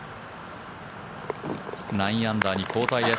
９アンダーに後退です。